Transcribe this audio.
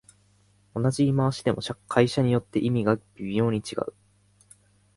同じ言い回しでも会社によって意味が微妙に違う